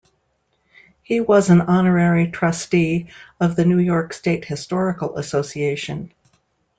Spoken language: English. He was an honorary trustee of the New York State Historical Association.